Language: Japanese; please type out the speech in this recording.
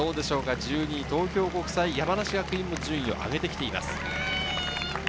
１２位・東京国際、山梨学院も順位を上げています。